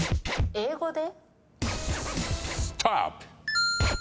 英語で？